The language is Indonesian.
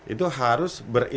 itu harus ber